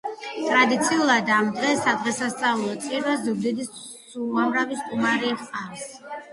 ტრადიციულად, ამ დღეს სადღესასწაულო წირვას ზუგდიდს უამრავი სტუმარი ჰყავს.